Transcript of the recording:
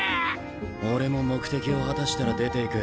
俺も目的を果たしたら出ていく。